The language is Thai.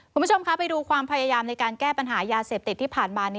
คุณผู้ชมคะไปดูความพยายามในการแก้ปัญหายาเสพติดที่ผ่านมา